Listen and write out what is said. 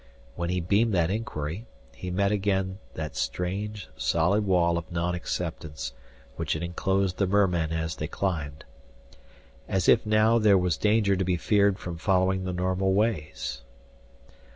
When he beamed that inquiry, he met once again that strange, solid wall of non acceptance which had enclosed the merman as they climbed. As if now there was danger to be feared from following the normal ways.